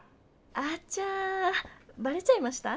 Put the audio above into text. あちゃばれちゃいました？